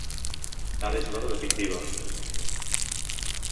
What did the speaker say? Ara és l’hora definitiva.